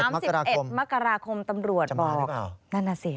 ๓๑มกราคมตำรวจบอกนั่นล่ะสิ